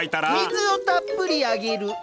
水をたっぷりあげる。